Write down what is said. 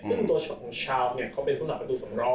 ซึ่งตัวของชาวล์เป็นผู้สาประตูสำรอง